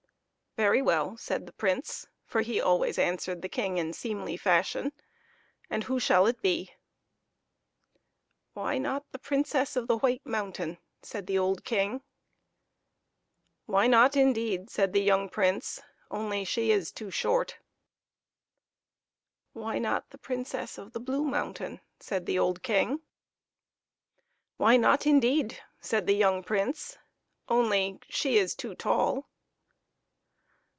" Very well," said the Prince, for he always answered the King in seemly fashion ;" and who shall it be ?"" Why not the Princess of the White Mountain ?" said the old King. " W r hy not, indeed ?" said the young Prince, " only she is too short." " Why not the Princess of the Blue Mountain ?" said the old King. " Why not, indeed ?" said the young Prince, " only she is too tall."